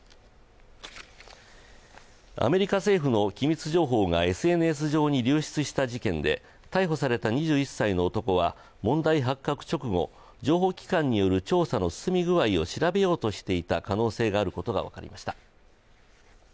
アメリカ政府の機密情報がＳＮＳ上に流出した事件で逮捕された２１歳の男は問題発覚直後情報機関による調査の進み具合を調べようとしていた可能性があることが分かりました。